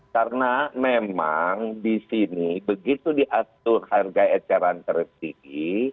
karena memang di sini begitu diatur harga het rantai distribusi